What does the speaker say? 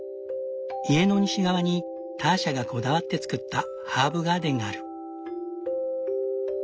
家の西側にターシャがこだわって造ったハーブガーデンがある。